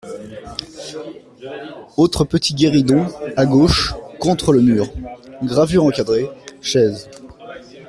Autre petit guéridon, à gauche, contre le mur. — Gravures encadrées. — Chaises.